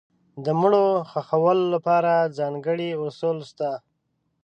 د مړو د ښخولو لپاره ځانګړي اصول شته.